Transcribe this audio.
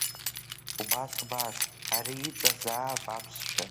Убас, убас, ари иҵазаап аԥсшәа!